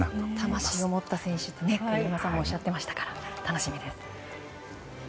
魂を持った選手と栗山さんもおっしゃっていたので楽しみです。